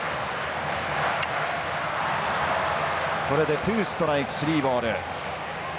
これでツーストライクスリーボール。